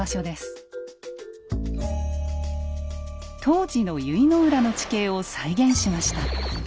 当時の由比浦の地形を再現しました。